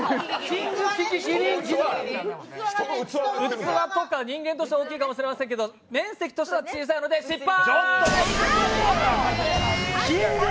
器とか人間としては大きいかもしれませんが面積としては小さいので、失敗！